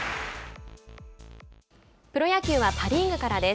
プロ野球はパ・リーグからです。